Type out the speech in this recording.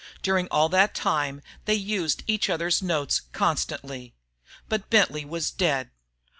During all that time they had used each other's notes constantly. But Bentley was dead.